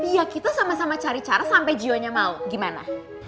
ya kita sama sama cari cara sampe gionya mau gimana